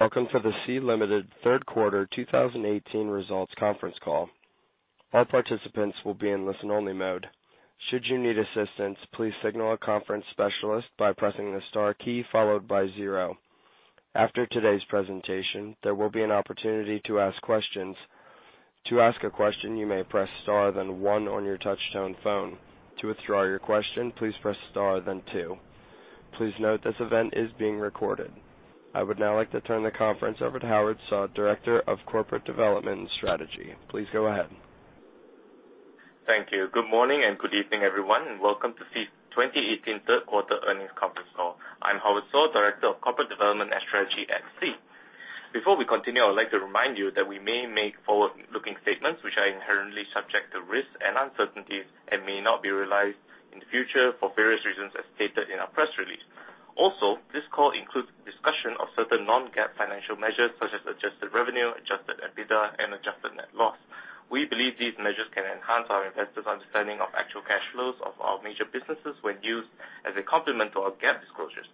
Welcome for the Sea Limited third quarter 2018 results conference call. All participants will be in listen only mode. Should you need assistance, please signal a conference specialist by pressing the star key followed by zero. After today's presentation, there will be an opportunity to ask questions. To ask a question, you may press star then one on your touch-tone phone. To withdraw your question, please press star then two. Please note this event is being recorded. I would now like to turn the conference over to Howard Soh, Director of Corporate Development and Strategy. Please go ahead. Thank you. Good morning and good evening, everyone, welcome to Sea 2018 third quarter earnings conference call. I'm Howard Soh, Director of Corporate Development and Strategy at Sea. Before we continue, I would like to remind you that we may make forward-looking statements which are inherently subject to risks and uncertainties and may not be realized in the future for various reasons as stated in our press release. This call includes discussion of certain non-GAAP financial measures such as adjusted revenue, adjusted EBITDA, and adjusted net loss. We believe these measures can enhance our investors' understanding of actual cash flows of our major businesses when used as a complement to our GAAP disclosures.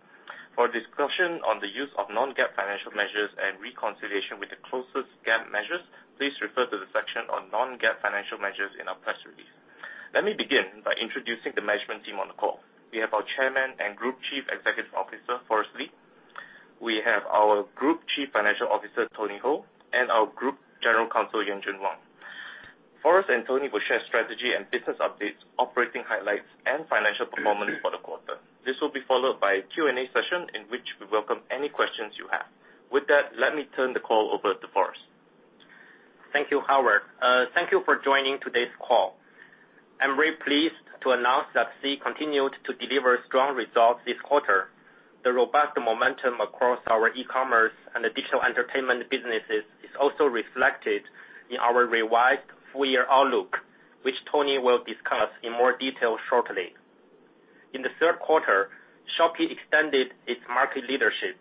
For a discussion on the use of non-GAAP financial measures and reconciliation with the closest GAAP measures, please refer to the section on non-GAAP financial measures in our press release. Let me begin by introducing the management team on the call. We have our Chairman and Group Chief Executive Officer, Forrest Li. We have our Group Chief Financial Officer, Tony Hou, and our Group General Counsel, Yanjun Wang. Forrest and Tony will share strategy and business updates, operating highlights, and financial performance for the quarter. This will be followed by a Q&A session in which we welcome any questions you have. With that, let me turn the call over to Forrest. Thank you, Howard. Thank you for joining today's call. I'm very pleased to announce that Sea continued to deliver strong results this quarter. The robust momentum across our e-commerce and digital entertainment businesses is also reflected in our revised full-year outlook, which Tony will discuss in more detail shortly. In the third quarter, Shopee extended its market leadership.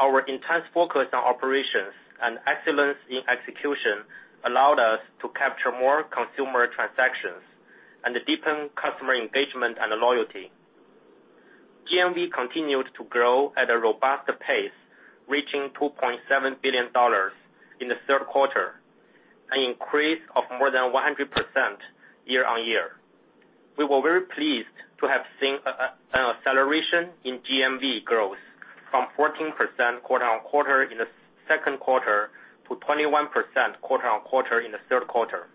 Our intense focus on operations and excellence in execution allowed us to capture more consumer transactions and deepen customer engagement and loyalty. GMV continued to grow at a robust pace, reaching $2.7 billion in the third quarter, an increase of more than 100% year-on-year. We were very pleased to have seen an acceleration in GMV growth from 14% quarter-on-quarter in the second quarter to 21% quarter-on-quarter in the third quarter.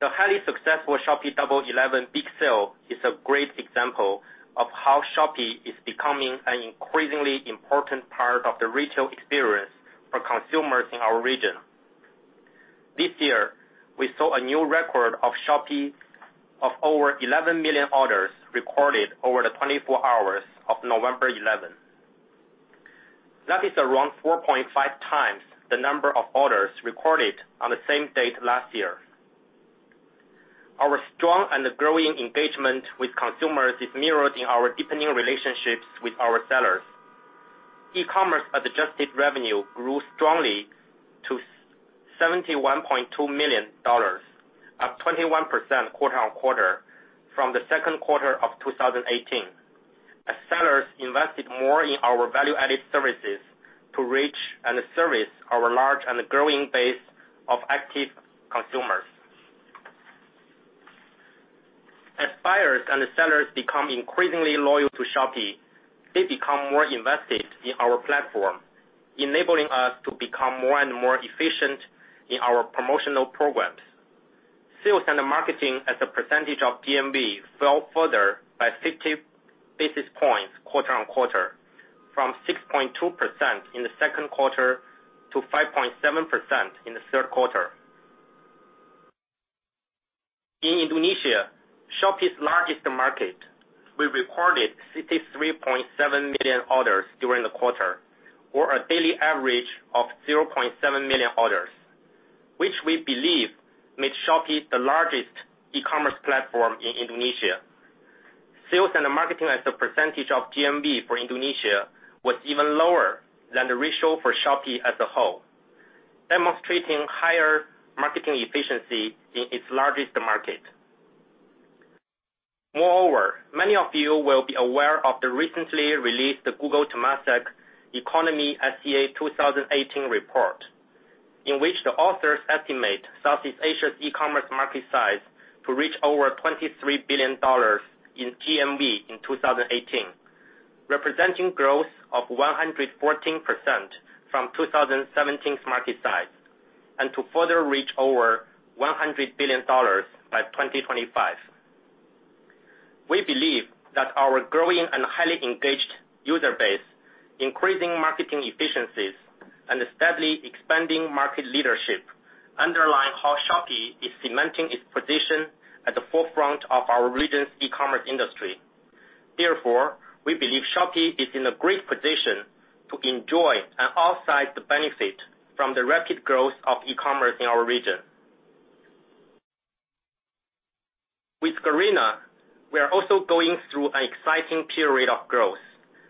The highly successful Shopee 11.11 Big Sale is a great example of how Shopee is becoming an increasingly important part of the retail experience for consumers in our region. This year, we saw a new record of Shopee of over 11 million orders recorded over the 24 hours of November 11. That is around 4.5 times the number of orders recorded on the same date last year. Our strong and growing engagement with consumers is mirrored in our deepening relationships with our sellers. E-commerce adjusted revenue grew strongly to $71.2 million, up 21% quarter-on-quarter from the second quarter of 2018, as sellers invested more in our value-added services to reach and service our large and growing base of active consumers. As buyers and sellers become increasingly loyal to Shopee, they become more invested in our platform, enabling us to become more and more efficient in our promotional programs. Sales and marketing as a percentage of GMV fell further by 50 basis points quarter-on-quarter from 6.2% in the second quarter to 5.7% in the third quarter. In Indonesia, Shopee's largest market, we recorded 63.7 million orders during the quarter. A daily average of 0.7 million orders, which we believe makes Shopee the largest e-commerce platform in Indonesia. Sales and marketing as a percentage of GMV for Indonesia was even lower than the ratio for Shopee as a whole, demonstrating higher marketing efficiency in its largest market. Moreover, many of you will be aware of the recently released Google Temasek e-Conomy SEA 2018 report, in which the authors estimate Southeast Asia's e-commerce market size to reach over $23 billion in GMV in 2018, representing growth of 114% from 2017's market size, and to further reach over $100 billion by 2025. We believe that our growing and highly engaged user base, increasing marketing efficiencies, and steadily expanding market leadership underline how Shopee is cementing its position at the forefront of our region's e-commerce industry. Therefore, we believe Shopee is in a great position to enjoy an outsized benefit from the rapid growth of e-commerce in our region. With Garena, we are also going through an exciting period of growth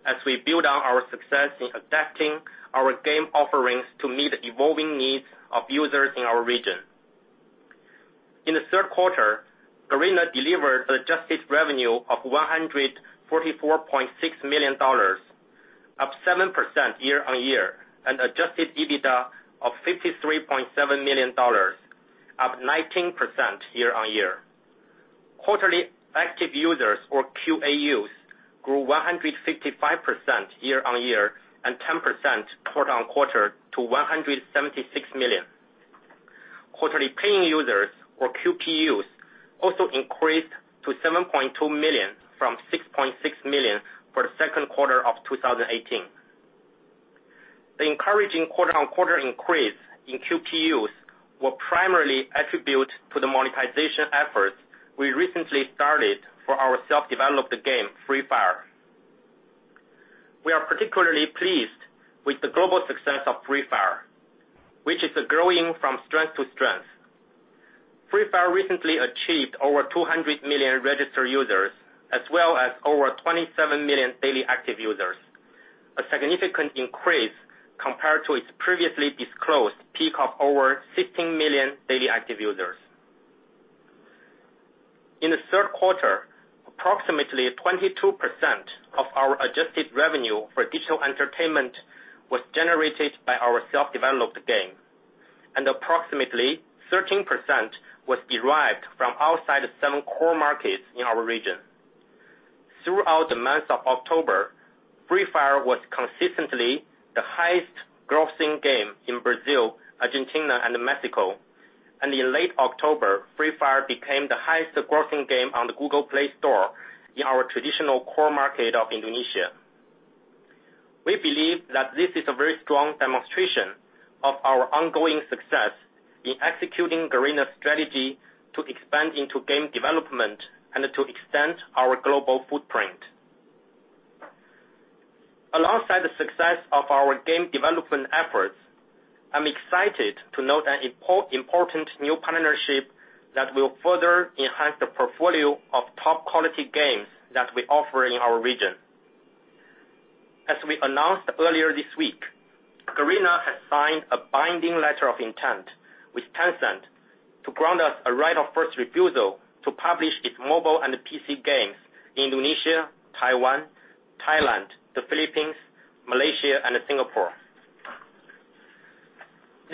as we build on our success in adapting our game offerings to meet the evolving needs of users in our region. In the third quarter, Garena delivered an adjusted revenue of $144.6 million, up 7% year-on-year, and adjusted EBITDA of $53.7 million, up 19% year-on-year. Quarterly active users, or QAUs, grew 155% year-on-year, and 10% quarter-on-quarter to 176 million. Quarterly paying users, or QPUs, also increased to 7.2 million from 6.6 million for the second quarter of 2018. The encouraging quarter-on-quarter increase in QPUs were primarily attributed to the monetization efforts we recently started for our self-developed game, Free Fire. We are particularly pleased with the global success of Free Fire, which is growing from strength to strength. Free Fire recently achieved over 200 million registered users, as well as over 27 million daily active users. A significant increase compared to its previously disclosed peak of over 16 million daily active users. In the third quarter, approximately 22% of our adjusted revenue for digital entertainment was generated by our self-developed game, and approximately 13% was derived from outside seven core markets in our region. Throughout the month of October, Free Fire was consistently the highest grossing game in Brazil, Argentina, and Mexico, and in late October, Free Fire became the highest grossing game on the Google Play Store in our traditional core market of Indonesia. We believe that this is a very strong demonstration of our ongoing success in executing Garena's strategy to expand into game development and to extend our global footprint. Alongside the success of our game development efforts, I'm excited to note an important new partnership that will further enhance the portfolio of top-quality games that we offer in our region. As we announced earlier this week, Garena has signed a binding letter of intent with Tencent to grant us a right of first refusal to publish its mobile and PC games in Indonesia, Taiwan, Thailand, the Philippines, Malaysia, and Singapore.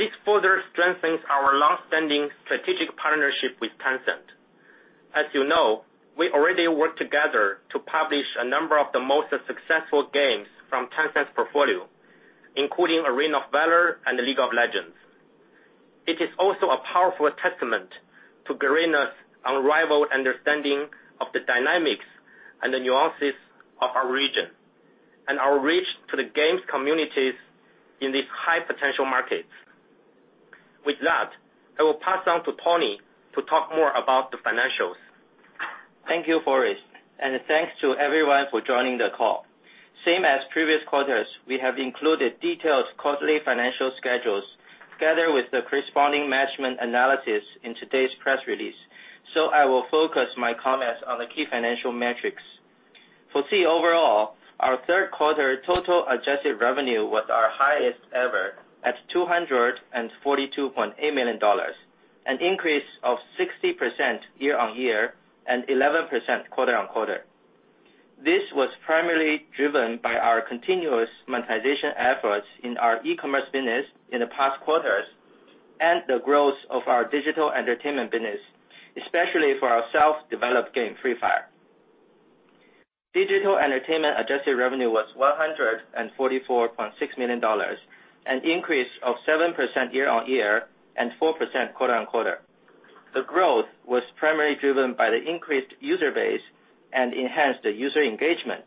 This further strengthens our longstanding strategic partnership with Tencent. As you know, we already work together to publish a number of the most successful games from Tencent's portfolio, including Arena of Valor and League of Legends. It is also a powerful testament to Garena's unrivaled understanding of the dynamics and the nuances of our region, and our reach to the games communities in these high-potential markets. With that, I will pass on to Tony to talk more about the financials. Thank you, Forrest, and thanks to everyone for joining the call. Same as previous quarters, we have included detailed quarterly financial schedules together with the corresponding management analysis in today's press release. I will focus my comments on the key financial metrics. For Sea overall, our third quarter total adjusted revenue was our highest ever at $242.8 million, an increase of 60% year-on-year, and 11% quarter-on-quarter. This was primarily driven by our continuous monetization efforts in our e-commerce business in the past quarters and the growth of our digital entertainment business, especially for our self-developed game, Free Fire. Digital entertainment adjusted revenue was $144.6 million, an increase of 7% year-on-year and 4% quarter-on-quarter. The growth was primarily driven by the increased user base and enhanced user engagement,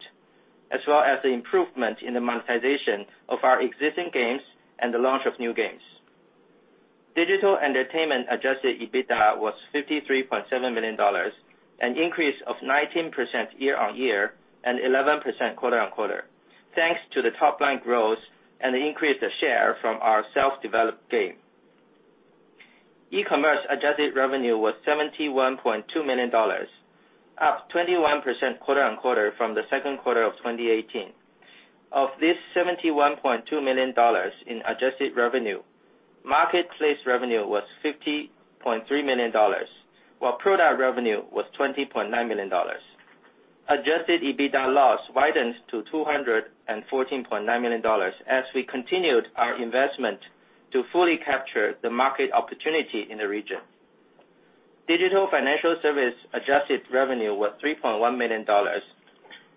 as well as the improvement in the monetization of our existing games and the launch of new games. Digital entertainment adjusted EBITDA was $53.7 million, an increase of 19% year-on-year and 11% quarter-on-quarter, thanks to the top-line growth and the increased share from our self-developed game. E-commerce adjusted revenue was $71.2 million, up 21% quarter-on-quarter from the second quarter of 2018. Of this $71.2 million in adjusted revenue, marketplace revenue was $50.3 million, while product revenue was $20.9 million. Adjusted EBITDA loss widened to $214.9 million as we continued our investment to fully capture the market opportunity in the region. Digital financial service adjusted revenue was $3.1 million,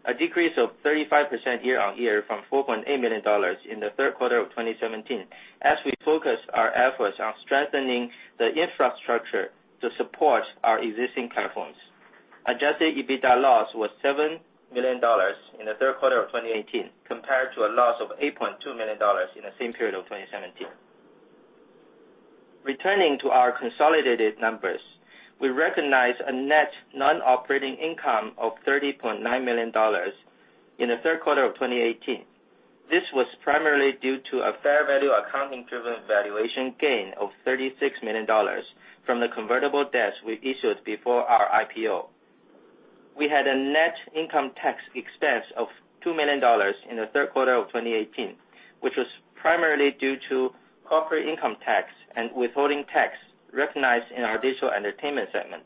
a decrease of 35% year-on-year from $4.8 million in the third quarter of 2017, as we focus our efforts on strengthening the infrastructure to support our existing platforms. Adjusted EBITDA loss was $7 million in the third quarter of 2018, compared to a loss of $8.2 million in the same period of 2017. Returning to our consolidated numbers, we recognize a net non-operating income of $30.9 million in the third quarter of 2018. This was primarily due to a fair value accounting driven valuation gain of $36 million from the convertible debts we issued before our IPO. We had a net income tax expense of $2 million in the third quarter of 2018, which was primarily due to corporate income tax and withholding tax recognized in our Digital Entertainment segment.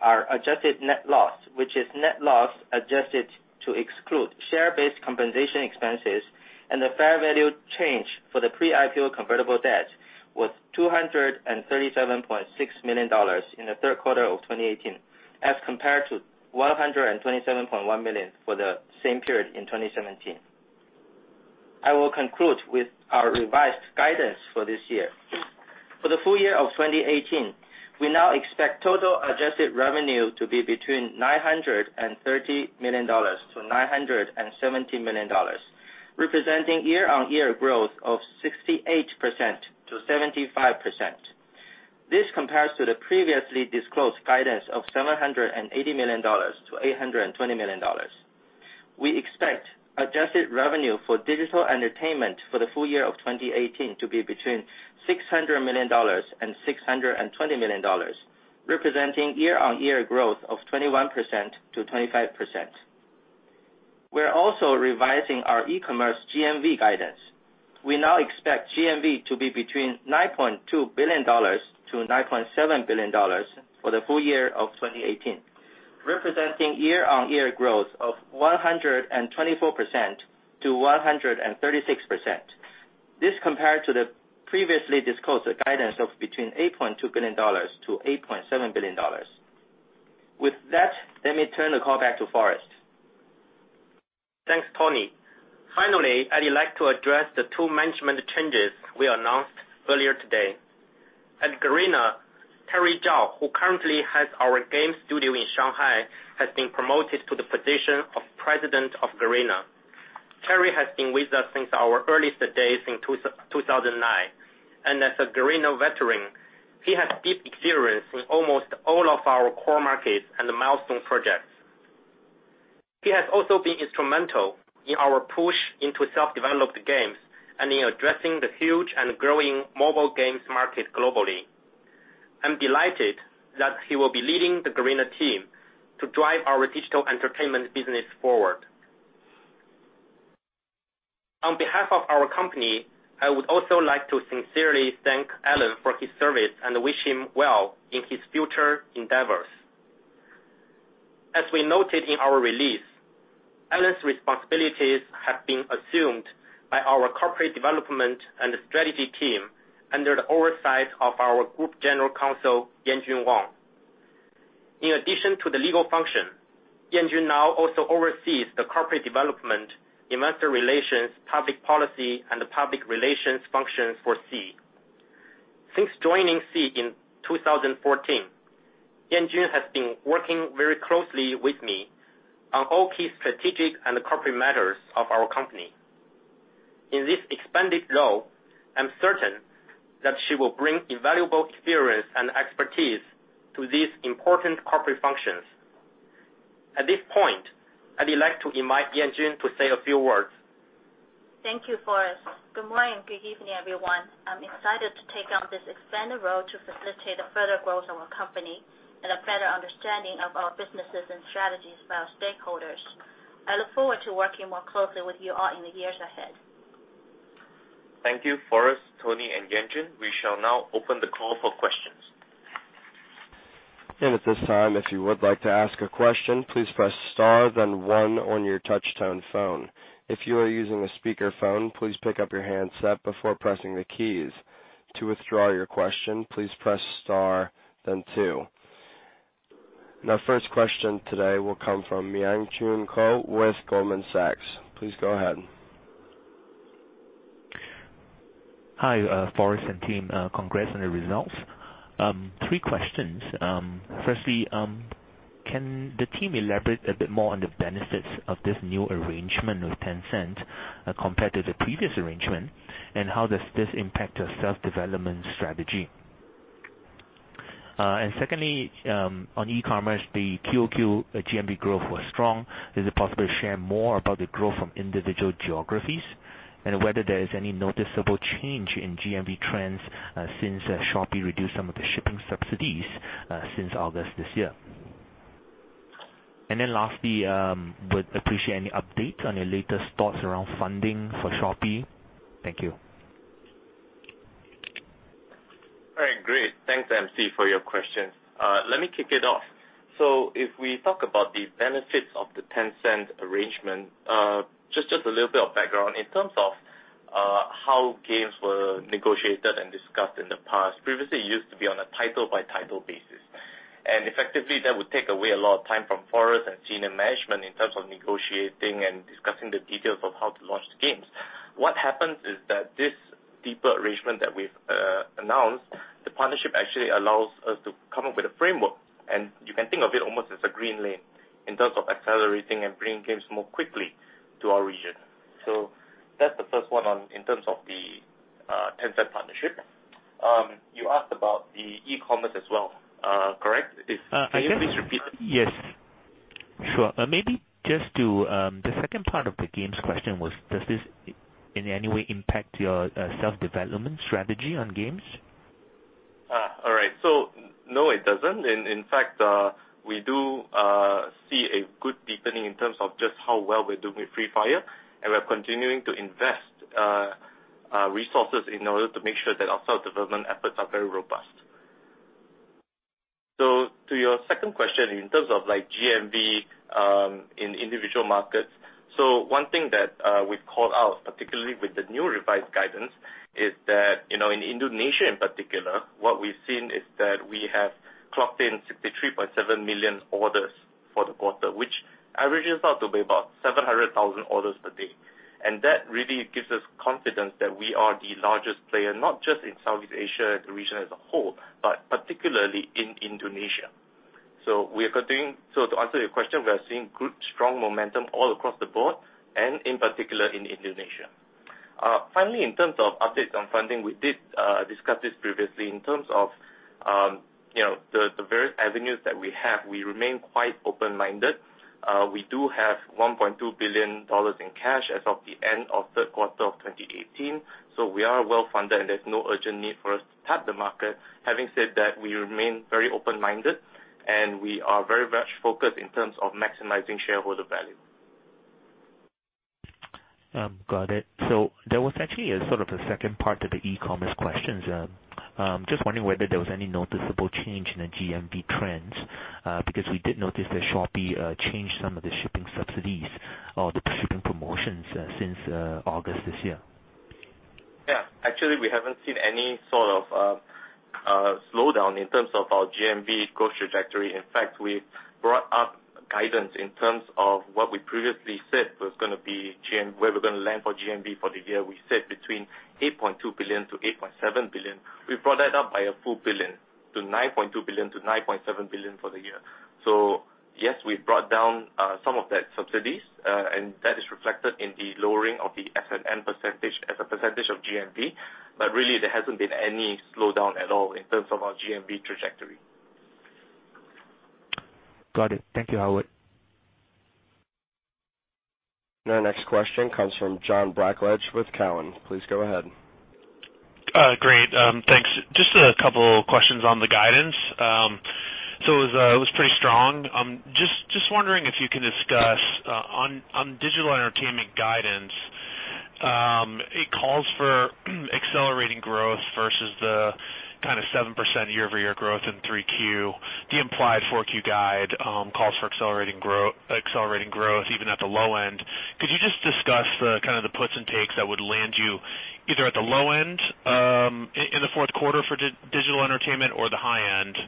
Our adjusted net loss, which is net loss adjusted to exclude share-based compensation expenses and the fair value change for the pre-IPO convertible debt, was $237.6 million in the third quarter of 2018 as compared to $127.1 million for the same period in 2017. I will conclude with our revised guidance for this year. For the full year of 2018, we now expect total adjusted revenue to be between $930 million-$970 million, representing year-on-year growth of 68%-75%. This compares to the previously disclosed guidance of $780 million-$820 million. We expect adjusted revenue for Digital Entertainment for the full year of 2018 to be between $600 million and $620 million, representing year-on-year growth of 21%-25%. We are also revising our e-commerce GMV guidance. We now expect GMV to be between $9.2 billion-$9.7 billion for the full year of 2018, representing year-on-year growth of 124%-136%. This compared to the previously disclosed guidance of between $8.2 billion-$8.7 billion. With that, let me turn the call back to Forrest. Thanks, Tony. I'd like to address the two management changes we announced earlier today. At Garena, Terry Zhao, who currently has our game studio in Shanghai, has been promoted to the position of President of Garena. Terry Zhao has been with us since our earliest days in 2009, and as a Garena veteran, he has deep experience in almost all of our core markets and milestone projects. He has also been instrumental in our push into self-developed games and in addressing the huge and growing mobile games market globally. I am delighted that he will be leading the Garena team to drive our Digital Entertainment business forward. On behalf of our company, I would also like to sincerely thank Alan for his service and wish him well in his future endeavors. As we noted in our release, Alan's responsibilities have been assumed by our corporate development and strategy team under the oversight of our Group General Counsel, Yanjun Wang. In addition to the legal function, Yanjun now also oversees the corporate development, investor relations, public policy, and public relations functions for Sea. Since joining Sea in 2014, Yanjun has been working very closely with me on all key strategic and corporate matters of our company. In this expanded role, I'm certain that she will bring invaluable experience and expertise to these important corporate functions. At this point, I'd like to invite Yanjun to say a few words. Thank you, Forrest. Good morning. Good evening, everyone. I'm excited to take on this expanded role to facilitate the further growth of our company and a better understanding of our businesses and strategies by our stakeholders. I look forward to working more closely with you all in the years ahead. Thank you, Forrest, Tony, and Yanjun. We shall now open the call for questions. At this time, if you would like to ask a question, please press star then one on your touch-tone phone. If you are using a speakerphone, please pick up your handset before pressing the keys. To withdraw your question, please press star then two. Our first question today will come from Pang Vittayaamnuaykoon with Goldman Sachs. Please go ahead. Hi, Forrest and team. Congrats on the results. Three questions. Firstly, can the team elaborate a bit more on the benefits of this new arrangement with Tencent compared to the previous arrangement, and how does this impact your self-development strategy? Secondly, on e-commerce, the QOQ GMV growth was strong. Is it possible to share more about the growth from individual geographies and whether there is any noticeable change in GMV trends since Shopee reduced some of the shipping subsidies since August this year? Lastly, would appreciate any update on your latest thoughts around funding for Shopee. Thank you. All right. Great. Thanks, MC, for your questions. Let me kick it off. If we talk about the benefits of the Tencent arrangement, just a little bit of background. In terms of how games were negotiated and discussed in the past, previously, it used to be on a title-by-title basis. Effectively, that would take away a lot of time from Forrest and senior management in terms of negotiating and discussing the details of how to launch the games. What happens is that this deeper arrangement that we've announced, the partnership actually allows us to come up with a framework, and you can think of it almost as a green lane in terms of accelerating and bringing games more quickly to our region. That's the first one in terms of the Tencent partnership. You asked about the e-commerce as well, correct? Can you please repeat that? Yes. Sure. Maybe just to the second part of the games question was, does this in any way impact your self-development strategy on games? All right. No, it doesn't. In fact, we do see a good deepening in terms of just how well we're doing with Free Fire, and we're continuing to invest resources in order to make sure that our self-development efforts are very robust. To your second question, in terms of GMV in individual markets, one thing that we've called out, particularly with the new revised guidance, is that, in Indonesia in particular, what we've seen is that we have clocked in 63.7 million orders for the quarter, which averages out to be about 700,000 orders per day. That really gives us confidence that we are the largest player, not just in Southeast Asia, the region as a whole, but particularly in Indonesia. To answer your question, we are seeing good, strong momentum all across the board, and in particular in Indonesia. Finally, in terms of updates on funding, we did discuss this previously. In terms of the various avenues that we have, we remain quite open-minded. We do have $1.2 billion in cash as of the end of third quarter of 2018. We are well-funded, and there's no urgent need for us to tap the market. Having said that, we remain very open-minded, and we are very much focused in terms of maximizing shareholder value. Got it. There was actually a sort of a second part to the e-commerce questions. Just wondering whether there was any noticeable change in the GMV trends, because we did notice that Shopee changed some of the shipping subsidies or the shipping promotions since August this year. Yeah. Actually, we haven't seen any sort of slowdown in terms of our GMV growth trajectory. In fact, we've brought up guidance in terms of what we previously said where we're going to land for GMV for the year. We said between $8.2 billion-$8.7 billion. We brought that up by $1 billion to $9.2 billion-$9.7 billion for the year. Yes, we've brought down some of that subsidies, and that is reflected in the lowering of the S&M % as a percentage of GMV. Really, there hasn't been any slowdown at all in terms of our GMV trajectory. Got it. Thank you, Howard. Our next question comes from John Blackledge with Cowen. Please go ahead. Great. Thanks. Just a couple questions on the guidance. It was pretty strong. Just wondering if you can discuss on Digital Entertainment guidance, it calls for accelerating growth versus the kind of 7% year-over-year growth in 3Q. The implied 4Q guide calls for accelerating growth even at the low end. Could you just discuss the kind of the puts and takes that would land you either at the low end in the fourth quarter for Digital Entertainment or the high end?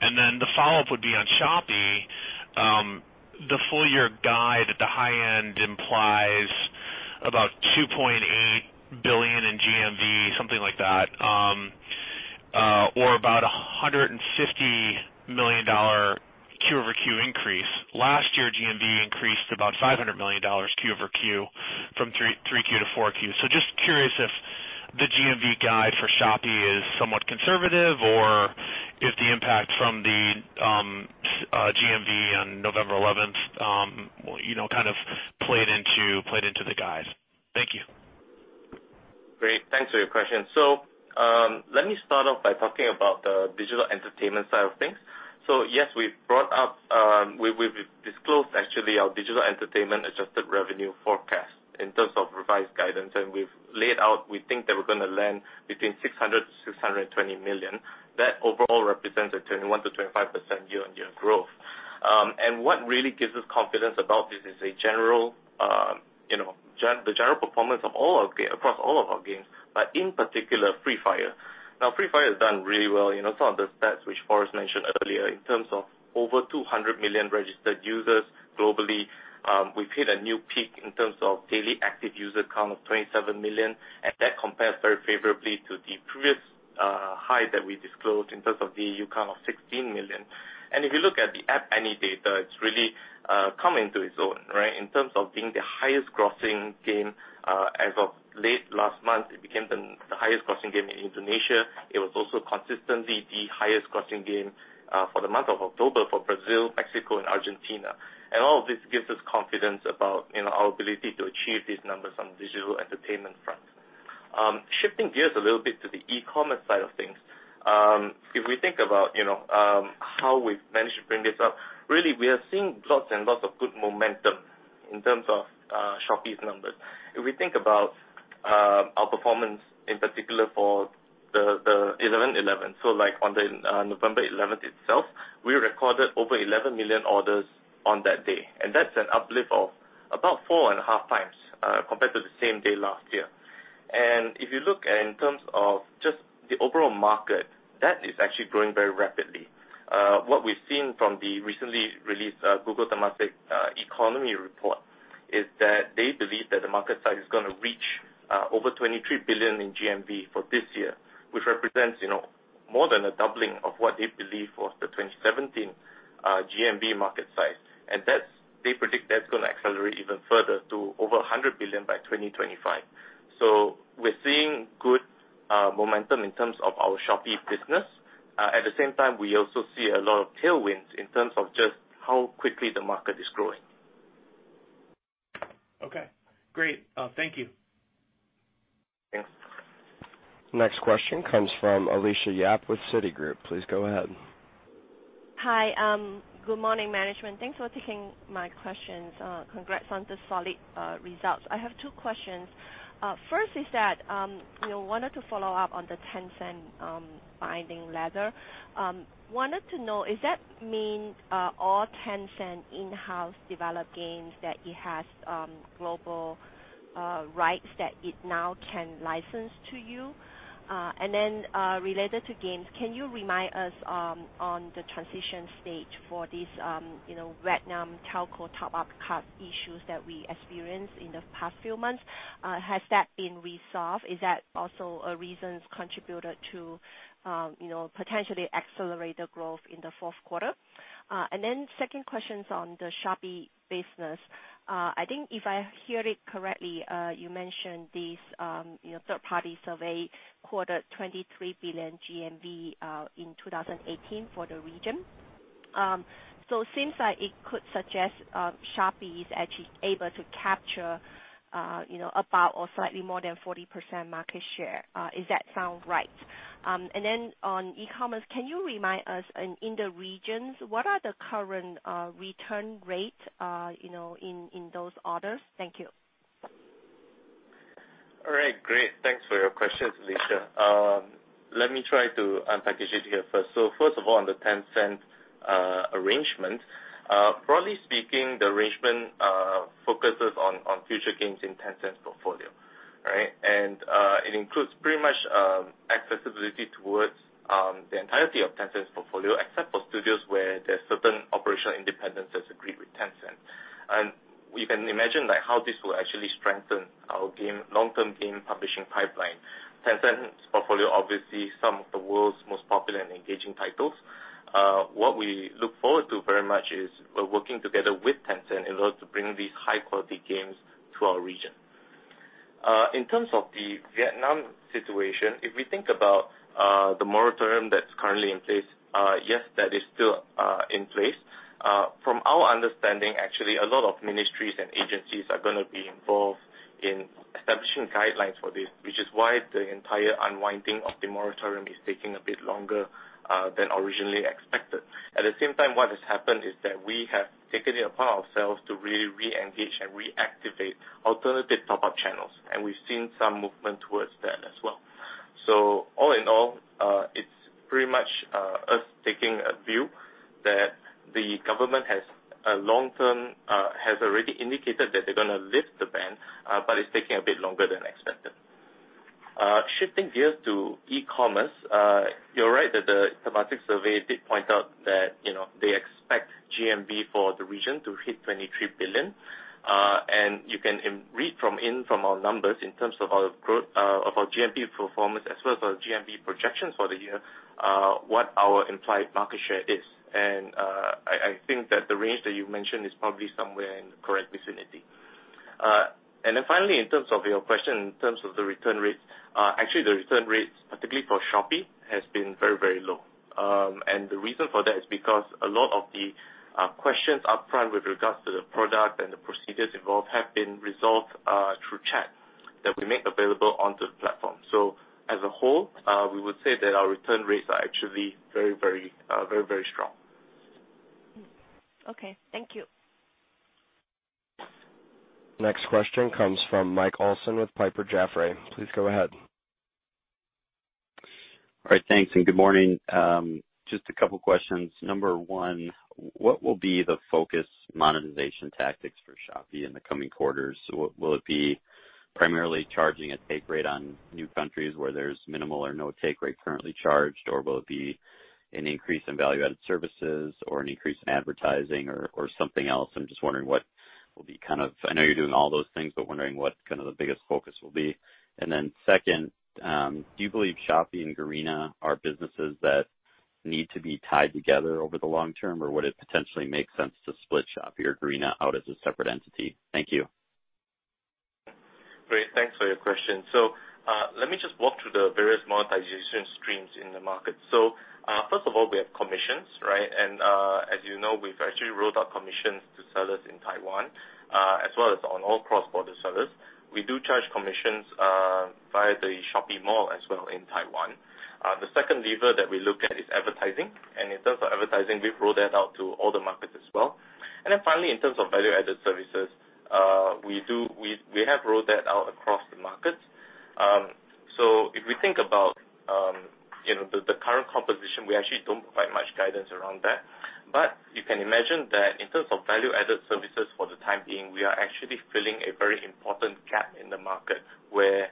The follow-up would be on Shopee. The full-year guide at the high end implies about $2.8 billion in GMV, something like that or about $150 million Q-over-Q increase. Last year, GMV increased about $500 million Q-over-Q from 3Q to 4Q. Just curious if the GMV guide for Shopee is somewhat conservative or if the impact from the GMV on November 11th kind of played into the guide. Thank you. Great. Thanks for your question. Let me start off by talking about the Digital Entertainment side of things. Yes, we've disclosed actually our Digital Entertainment adjusted revenue forecast in terms of revised guidance. We've laid out we think that we're going to land between $600 million to $620 million. That overall represents a 21%-25% year-on-year growth. What really gives us confidence about this is the general performance across all of our games, but in particular, Free Fire. Now, Free Fire has done really well. Some of the stats, which Forrest mentioned earlier in terms of over 200 million registered users globally. We've hit a new peak in terms of daily active user count of 27 million, and that compares very favorably to the previous high that we disclosed in terms of the U count of 16 million. If you look at the App Annie data, it's really come into its own, right, in terms of being the highest grossing game. As of late last month, it became the highest grossing game in Indonesia. It was also consistently the highest grossing game for the month of October for Brazil, Mexico, and Argentina. All of this gives us confidence about our ability to achieve these numbers on Digital Entertainment front. Shifting gears a little bit to the e-commerce side of things. If we think about how we've managed to bring this up, really, we are seeing lots and lots of good momentum in terms of Shopee's numbers. If we think about our performance, in particular for the 1111, so like on November 11th itself, we recorded over 11 million orders on that day. That's an uplift of about four and a half times compared to the same day last year. If you look in terms of just the overall market, that is actually growing very rapidly. What we've seen from the recently released Google Temasek e-Conomy report is that they believe that the market size is going to reach over $23 billion in GMV for this year, which represents more than a doubling of what they believe was the 2017 GMV market size. They predict that's going to accelerate even further to over $100 billion by 2025. We're seeing good momentum in terms of our Shopee business. At the same time, we also see a lot of tailwinds in terms of just how quickly the market is growing. Okay, great. Thank you. Thanks. Next question comes from Alicia Yap with Citigroup. Please go ahead. Hi. Good morning, management. Thanks for taking my questions. Congrats on the solid results. I have two questions. First, wanted to follow up on the Tencent binding letter. Wanted to know, does that mean all Tencent in-house developed games that it has global rights that it now can license to you? Related to games, can you remind us on the transition stage for this Vietnam telco top-up card issues that we experienced in the past few months? Has that been resolved? Is that also a reasons contributor to potentially accelerate the growth in the fourth quarter? Second question is on the Shopee business. I think if I hear it correctly, you mentioned this third-party survey quoted $23 billion GMV in 2018 for the region. Since it could suggest Shopee is actually able to capture about or slightly more than 40% market share. Does that sound right? On e-commerce, can you remind us in the regions, what are the current return rates in those orders? Thank you. All right. Great. Thanks for your questions, Alicia. Let me try to unpackage it here first. First of all, on the Tencent arrangement, broadly speaking, the arrangement focuses on future games in Tencent's portfolio. Right? It includes pretty much accessibility towards the entirety of Tencent's portfolio, except for studios where there's certain operational independence as agreed with Tencent. We can imagine that how this will actually strengthen our long-term game publishing pipeline. Tencent's portfolio, obviously, some of the world's most popular and engaging titles. What we look forward to very much is working together with Tencent in order to bring these high-quality games to our region. In terms of the Vietnam situation, if we think about the moratorium that's currently in place, yes, that is still in place. From our understanding, actually, a lot of ministries and agencies are going to be involved in establishing guidelines for this, which is why the entire unwinding of the moratorium is taking a bit longer than originally expected. At the same time, what has happened is that we have taken it upon ourselves to really re-engage and reactivate alternative top-up channels, and we've seen some movement towards that as well. All in all, it's pretty much us taking a view that the government has a long-term, has already indicated that they're going to lift the ban, but it's taking a bit longer than expected. Shifting gears to e-commerce, you're right that the Temasek survey did point out that they expect GMV for the region to hit $23 billion. You can read from our numbers in terms of our growth, of our GMV performance as well as our GMV projections for the year, what our implied market share is. I think that the range that you mentioned is probably somewhere in the correct vicinity. Finally, in terms of your question in terms of the return rates, actually the return rates, particularly for Shopee, has been very, very low. The reason for that is because a lot of the questions upfront with regards to the product and the procedures involved have been resolved through chat that we make available onto the platform. As a whole, we would say that our return rates are actually very, very strong. Okay. Thank you. Next question comes from Mike Olson with Piper Jaffray. Please go ahead. All right. Thanks, and good morning. Just a couple questions. Number 1, what will be the focus monetization tactics for Shopee in the coming quarters? Will it be primarily charging a take rate on new countries where there's minimal or no take rate currently charged, or will it be an increase in value-added services or an increase in advertising or something else? I'm just wondering what will be kind of I know you're doing all those things, but wondering what kind of the biggest focus will be. Second, do you believe Shopee and Garena are businesses that need to be tied together over the long term, or would it potentially make sense to split Shopee or Garena out as a separate entity? Thank you. Great. Thanks for your question. Let me just walk through the various monetization streams in the market. First of all, we have commissions, right? As you know, we've actually rolled out commissions to sellers in Taiwan, as well as on all cross-border sellers. We do charge commissions via the Shopee Mall as well in Taiwan. The second lever that we look at is advertising. In terms of advertising, we've rolled that out to all the markets as well. Finally, in terms of value-added services, we have rolled that out across the markets. If we think about the current composition, we actually don't provide much guidance around that. You can imagine that in terms of value-added services for the time being, we are actually filling a very important gap in the market where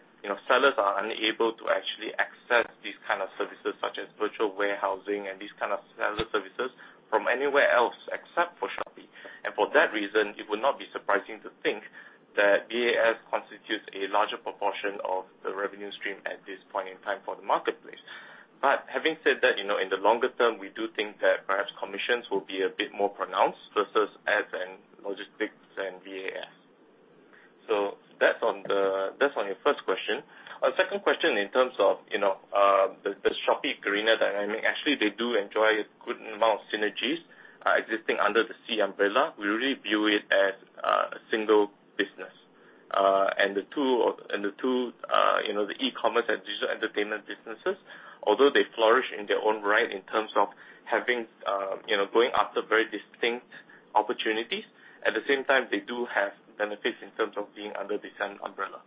sellers are unable to actually access these kind of services, such as virtual warehousing and these kind of seller services from anywhere else except for Shopee. For that reason, it would not be surprising to think that VAS constitutes a larger proportion of the revenue stream at this point in time for the marketplace. Having said that, in the longer term, we do think that perhaps commissions will be a bit more pronounced versus ads and logistics and VAS. That's on your first question. On second question, in terms of the Shopee-Garena dynamic, actually they do enjoy a good amount of synergies existing under the Sea umbrella. We really view it as a single business. The two, the e-commerce and digital entertainment businesses, although they flourish in their own right in terms of going after very distinct opportunities, at the same time, they do have benefits in terms of being under the same umbrella.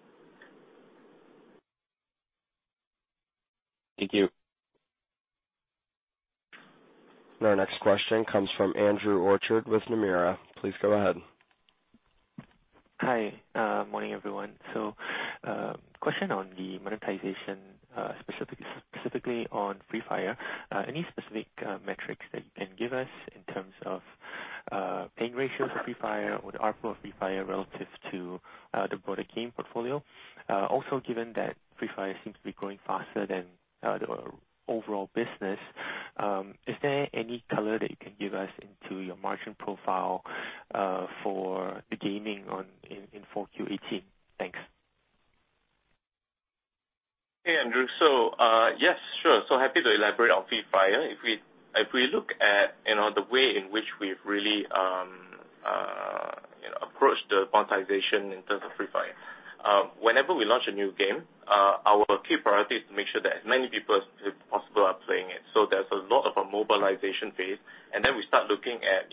Thank you. Our next question comes from Andrew Orchard with Nomura. Please go ahead. Hi. Morning, everyone. Question on the monetization, specifically on Free Fire. Any specific metrics that you can give us in terms of paying ratios of Free Fire or the ARPU of Free Fire relative to the broader game portfolio? Also, given that Free Fire seems to be growing faster than the overall business, is there any color that you can give us into your margin profile, for the gaming in 4Q 2018? Thanks. Hey, Andrew. Yes, sure. Happy to elaborate on Free Fire. If we look at the way in which we've really approached the monetization in terms of Free Fire. Whenever we launch a new game, our key priority is to make sure that as many people as possible are playing it. There's a lot of a mobilization phase, and then we start looking at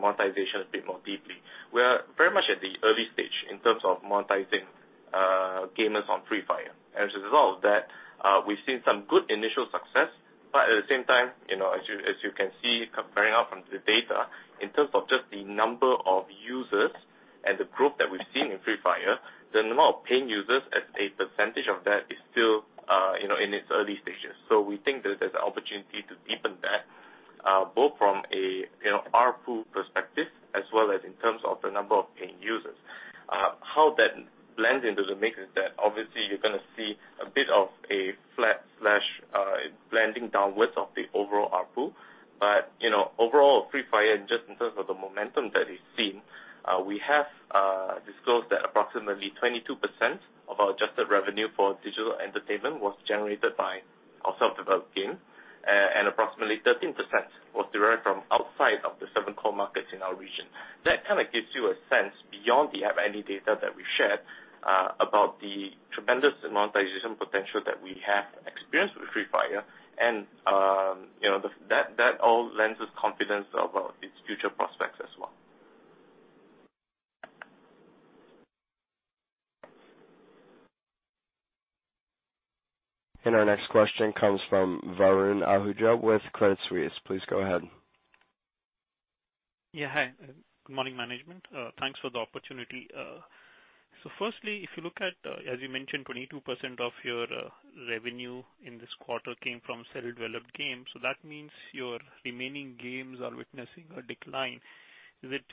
monetization a bit more deeply. We are very much at the early stage in terms of monetizing gamers on Free Fire. As a result of that, we've seen some good initial success. At the same time, as you can see comparing out from the data, in terms of just the number of users and the growth that we've seen in Free Fire, the number of paying users as a percentage of that is still in its early stages. We think that there's an opportunity to deepen that, both from a ARPU perspective as well as in terms of the number of paying users. How that blends into the mix is that obviously you're going to see a bit of a flat slash blending downwards of the overall ARPU. Overall, Free Fire, just in terms of the momentum that is seen, we have disclosed that approximately 22% of our adjusted revenue for digital entertainment was generated by our self-developed game, and approximately 13% was derived from outside of the seven core markets in our region. That kind of gives you a sense beyond the app-only data that we've shared, about the tremendous monetization potential that we have experienced with Free Fire, and that all lends us confidence about its future prospects as well. Our next question comes from Varun Ahuja with Credit Suisse. Please go ahead. Good morning, management. Thanks for the opportunity. Firstly, if you look at, as you mentioned, 22% of your revenue in this quarter came from self-developed games, that means your remaining games are witnessing a decline. Is it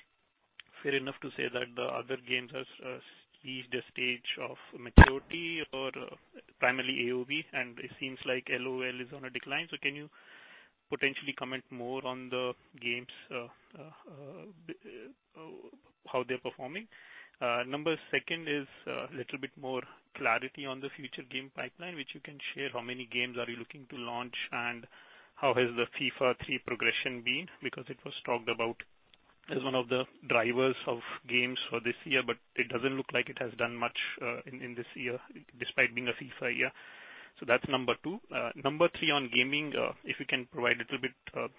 fair enough to say that the other games has reached a stage of maturity or primarily AoV, and it seems like LOL is on a decline. Can you potentially comment more on the games, how they're performing? Number 2 is a little bit more clarity on the future game pipeline, which you can share how many games are you looking to launch and how has the FIFA 3 progression been? Because it was talked about as one of the drivers of games for this year, but it doesn't look like it has done much in this year despite being a FIFA year. That's number 2. Number 3, on gaming, if you can provide a little bit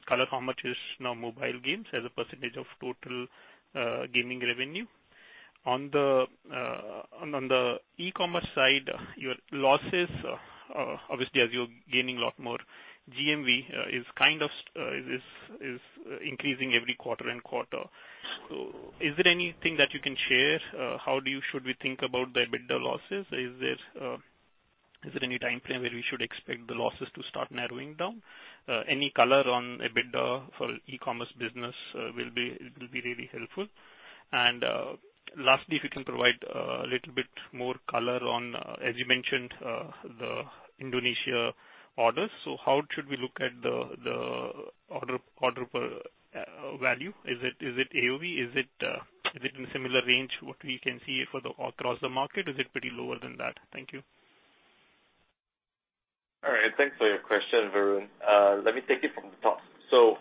color, how much is now mobile games as a percentage of total gaming revenue? On the e-commerce side, your losses, obviously as you're gaining a lot more GMV, is increasing every quarter and quarter. Is there anything that you can share? How should we think about the EBITDA losses? Is there any time frame where we should expect the losses to start narrowing down? Any color on EBITDA for e-commerce business will be really helpful. Lastly, if you can provide a little bit more color on, as you mentioned, the Indonesia orders. How should we look at the order value? Is it AoV? Is it in similar range what we can see across the market? Is it pretty lower than that? Thank you. Thanks for your question, Varun. Let me take it from the top.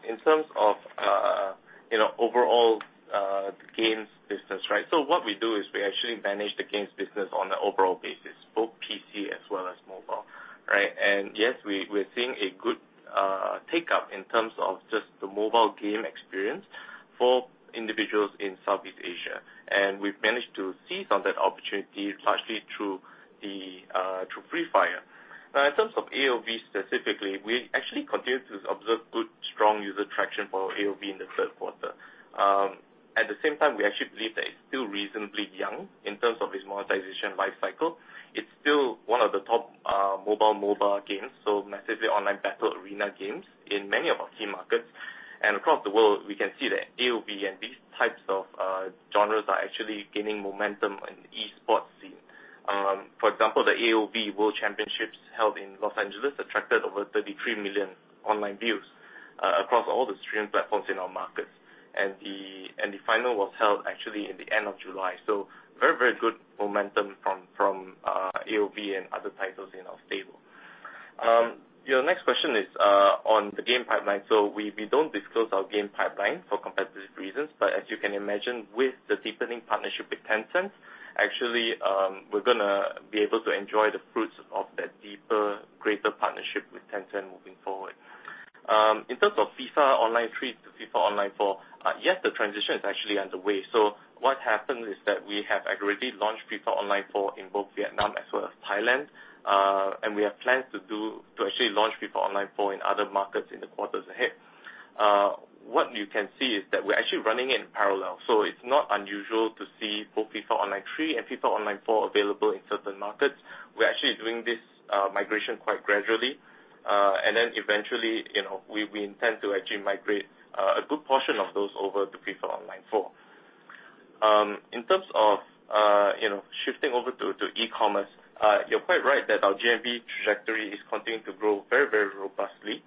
In terms of overall games business, what we do is we actually manage the games business on an overall basis, both PC as well as mobile. Yes, we're seeing a good take-up in terms of just the mobile game experience for individuals in Southeast Asia. We've managed to seize on that opportunity largely through Free Fire. In terms of AoV specifically, we actually continue to observe good, strong user traction for AoV in the third quarter. At the same time, we actually believe that it's still reasonably young in terms of its monetization life cycle. It's still one of the top mobile MOBA games, so massively online battle arena games in many of our key markets. Across the world, we can see that AoV and these types of genres are actually gaining momentum in esports. For example, the AoV World Championships held in L.A. attracted over 33 million online views across all the streaming platforms in our markets. The final was held actually in the end of July. Very good momentum from AoV and other titles in our stable. Your next question is on the game pipeline. We don't disclose our game pipeline for competitive reasons. But as you can imagine, with the deepening partnership with Tencent, actually, we're going to be able to enjoy the fruits of that deeper, greater partnership with Tencent moving forward. In terms of FIFA Online 3 to FIFA Online 4, the transition is actually underway. What happened is that we have already launched FIFA Online 4 in both Vietnam as well as Thailand. We have plans to actually launch FIFA Online 4 in other markets in the quarters ahead. What you can see is that we're actually running it in parallel. It's not unusual to see both FIFA Online 3 and FIFA Online 4 available in certain markets. We're actually doing this migration quite gradually. Eventually, we intend to actually migrate a good portion of those over to FIFA Online 4. In terms of shifting over to e-commerce, you're quite right that our GMV trajectory is continuing to grow very robustly.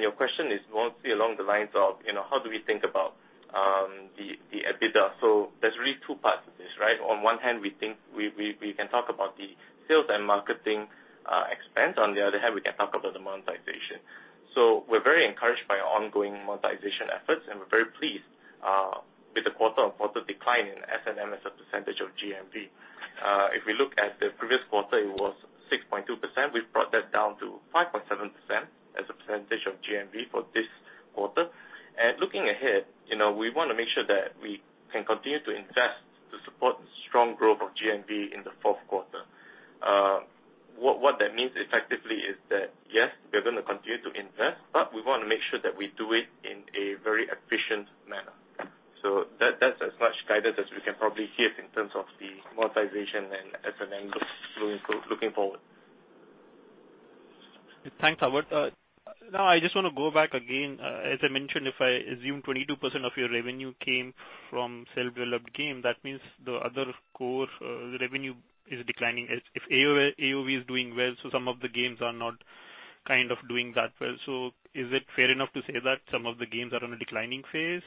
Your question is mostly along the lines of how do we think about the EBITDA. There's really two parts to this, right? On one hand, we can talk about the sales and marketing expense. On the other hand, we can talk about the monetization. We're very encouraged by our ongoing monetization efforts, and we're very pleased with the quarter-on-quarter decline in S&M as a percentage of GMV. If we look at the previous quarter, it was 6.2%. We've brought that down to 5.7% as a percentage of GMV for this quarter. Looking ahead, we want to make sure that we can continue to invest to support the strong growth of GMV in the fourth quarter. What that means effectively is that, yes, we are going to continue to invest. We want to make sure that we do it in a very efficient manner. That's as much guidance as we can probably give in terms of the monetization and as an angle looking forward. Thanks, Howard. I just want to go back again. As I mentioned, if I assume 22% of your revenue came from self-developed game, that means the other core revenue is declining. If AoV is doing well, some of the games are not doing that well. Is it fair enough to say that some of the games are on a declining phase,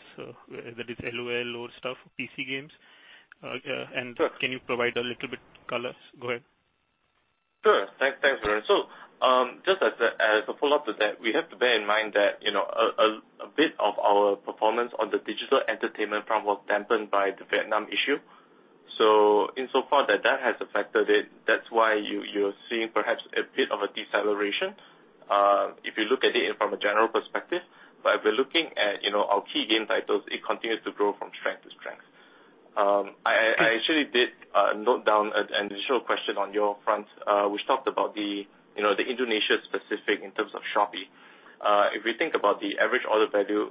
that is LOL or stuff, PC games? Sure. Can you provide a little bit color? Go ahead. Sure. Thanks, Varun. Just as a follow-up to that, we have to bear in mind that a bit of our performance on the digital entertainment front was dampened by the Vietnam issue. Insofar that that has affected it, that's why you're seeing perhaps a bit of a deceleration, if you look at it from a general perspective. If we're looking at our key game titles, it continues to grow from strength to strength. I actually did note down an initial question on your front, which talked about the Indonesia specific in terms of Shopee. If we think about the average order value,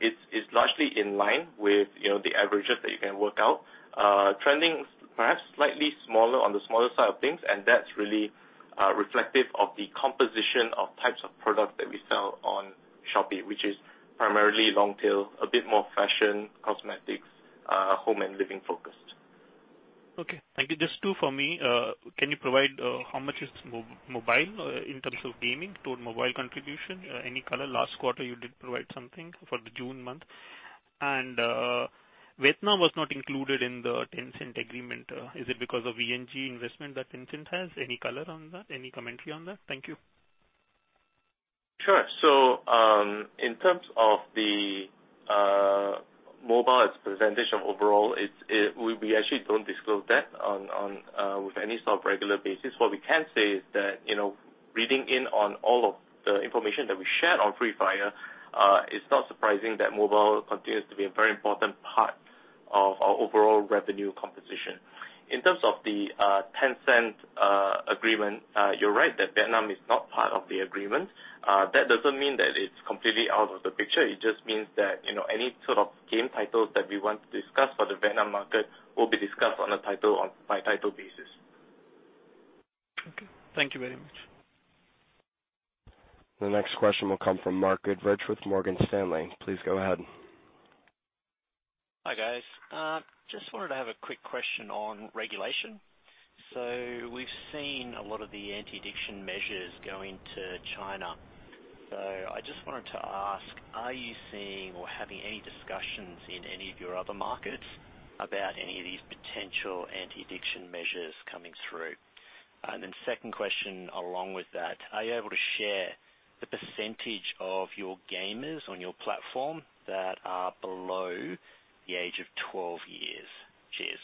it's largely in line with the averages that you can work out. Trending perhaps slightly smaller on the smaller side of things, that's really reflective of the composition of types of products that we sell on Shopee, which is primarily long-tail, a bit more fashion, cosmetics, home and living-focused. Okay. Thank you. Just two from me. Can you provide how much is mobile in terms of gaming, total mobile contribution? Any color. Last quarter, you did provide something for the June month. Vietnam was not included in the Tencent agreement. Is it because of VNG investment that Tencent has? Any color on that? Any commentary on that? Thank you. Sure. In terms of the mobile as a percentage of overall, we actually don't disclose that with any sort of regular basis. What we can say is that reading in on all of the information that we shared on Free Fire, it's not surprising that mobile continues to be a very important part of our overall revenue composition. In terms of the Tencent agreement, you're right that Vietnam is not part of the agreement. That doesn't mean that it's completely out of the picture. It just means that any sort of game titles that we want to discuss for the Vietnam market will be discussed on a by-title basis. Okay. Thank you very much. The next question will come from Mark Goodridge with Morgan Stanley. Please go ahead. Hi, guys. Just wanted to have a quick question on regulation. We've seen a lot of the anti-addiction measures go into China. I just wanted to ask, are you seeing or having any discussions in any of your other markets about any of these potential anti-addiction measures coming through? Second question along with that, are you able to share the % of your gamers on your platform that are below the age of 12 years? Cheers.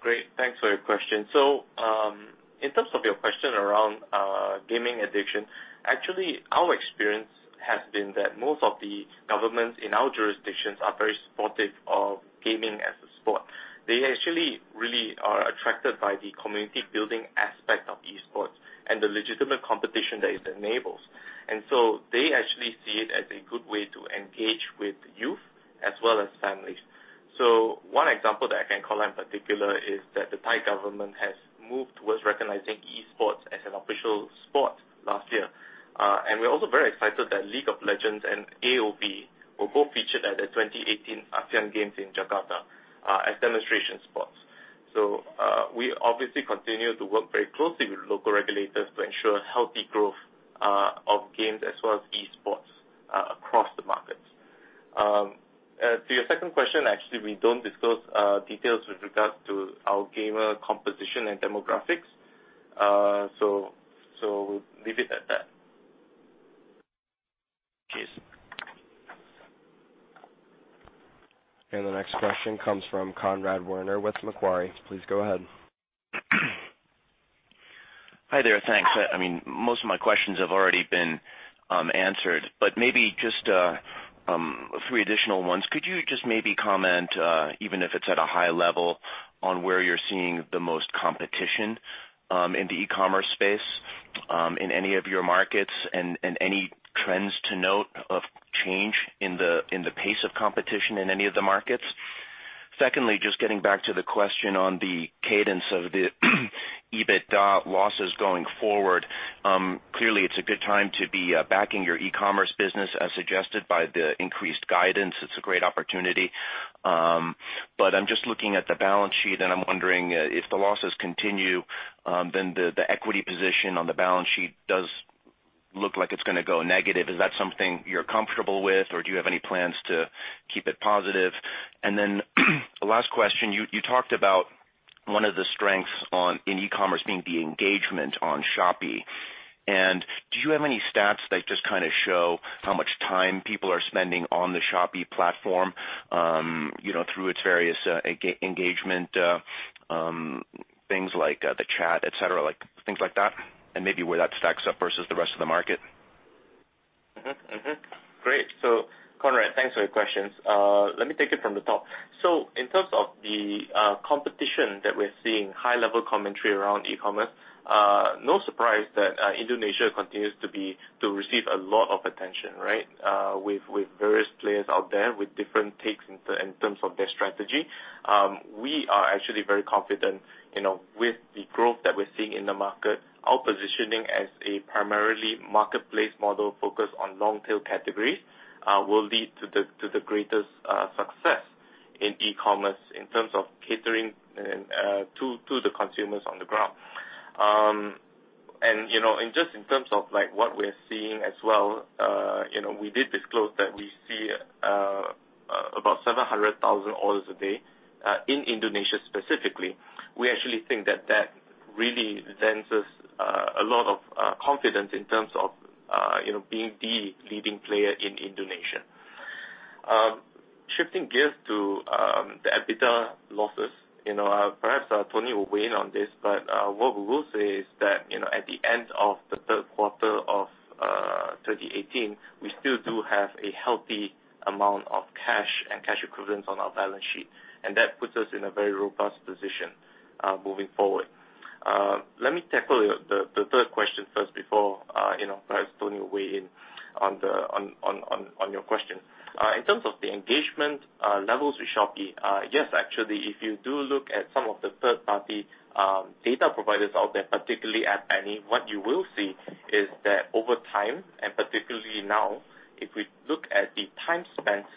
Great. Thanks for your question. In terms of your question around gaming addiction, actually, our experience has been that most of the governments in our jurisdictions are very supportive of gaming as a sport. They actually really are attracted by the community-building aspect of esports and the legitimate competition that it enables. They actually see it as a good way to engage with youth as well as families. One example that I can call out in particular is that the Thai government has moved towards recognizing esports as an official sport. We're also very excited that League of Legends and AoV were both featured at the 2018 Asian Games in Jakarta as demonstration sports. We obviously continue to work very closely with local regulators to ensure healthy growth of games as well as esports across the markets. To your second question, actually, we don't disclose details with regards to our gamer composition and demographics. We'll leave it at that. Cheers. The next question comes from Conrad Werner with Macquarie. Please go ahead. Hi there. Thanks. Most of my questions have already been answered, maybe just three additional ones. Could you just maybe comment, even if it's at a high level, on where you're seeing the most competition in the e-commerce space in any of your markets, and any trends to note of change in the pace of competition in any of the markets? Secondly, just getting back to the question on the cadence of the EBITDA losses going forward. Clearly, it's a good time to be backing your e-commerce business, as suggested by the increased guidance. It's a great opportunity. I'm just looking at the balance sheet, and I'm wondering if the losses continue, then the equity position on the balance sheet does look like it's going to go negative. Is that something you're comfortable with, or do you have any plans to keep it positive? Last question. You talked about one of the strengths in e-commerce being the engagement on Shopee. Do you have any stats that just kind of show how much time people are spending on the Shopee platform, through its various engagement things like the chat, et cetera, things like that? Maybe where that stacks up versus the rest of the market. Great. Conrad, thanks for your questions. Let me take it from the top. In terms of the competition that we're seeing, high-level commentary around e-commerce, no surprise that Indonesia continues to receive a lot of attention, with various players out there with different takes in terms of their strategy. We are actually very confident, with the growth that we're seeing in the market, our positioning as a primarily marketplace model focused on long-tail categories will lead to the greatest success in e-commerce in terms of catering to the consumers on the ground. Just in terms of what we're seeing as well, we did disclose that we see about 700,000 orders a day in Indonesia specifically. We actually think that that really lends us a lot of confidence in terms of being the leading player in Indonesia. Shifting gears to the EBITDA losses. Perhaps Tony will weigh in on this, but what we will say is that at the end of the third quarter of 2018, we still do have a healthy amount of cash and cash equivalents on our balance sheet, and that puts us in a very robust position moving forward. Let me tackle the third question first before perhaps Tony will weigh in on your question. In terms of the engagement levels with Shopee, yes, actually, if you do look at some of the third-party data providers out there, particularly App Annie, what you will see is that over time, and particularly now, if we look at the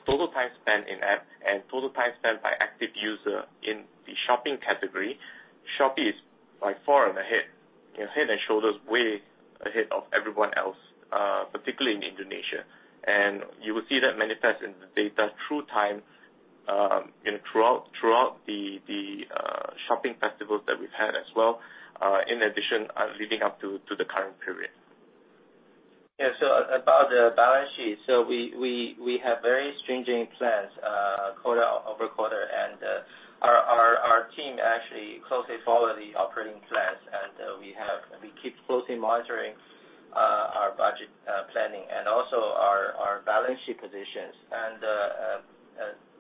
total time spent in-app and total time spent by active user in the shopping category, Shopee is by far ahead and shoulders way ahead of everyone else, particularly in Indonesia. You will see that manifest in the data through time throughout the shopping festivals that we've had as well, in addition, leading up to the current period. About the balance sheet. We have very stringent plans quarter-over-quarter, and our team actually closely follow the operating plans. We keep closely monitoring our budget planning and also our balance sheet positions.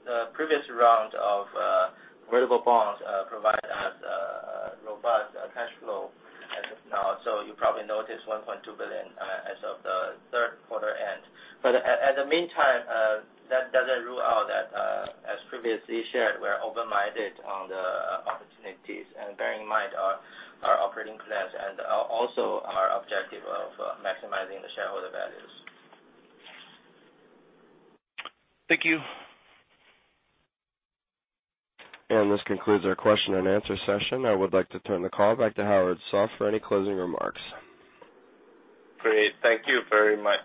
The previous round of convertible bonds provide us a robust cash flow as of now. You probably noticed $1.2 billion as of the third quarter-end. At the meantime, that doesn't rule out that, as previously shared, we're open-minded on the opportunities and bearing in mind our operating plans and also our objective of maximizing the shareholder values. Thank you. This concludes our question and answer session. I would like to turn the call back to Howard Soh for any closing remarks. Great. Thank you very much.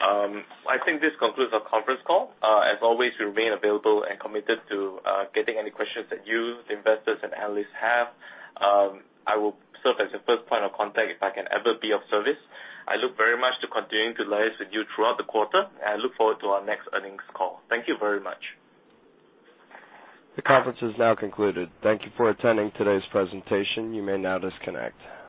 I think this concludes our conference call. As always, we remain available and committed to getting any questions that you, the investors, and analysts have. I will serve as your first point of contact if I can ever be of service. I look very much to continuing to liaise with you throughout the quarter, and I look forward to our next earnings call. Thank you very much. The conference is now concluded. Thank you for attending today's presentation. You may now disconnect.